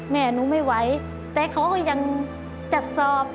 แม่หนูไม่ไหวแต่เขาก็ยังจัดสอบ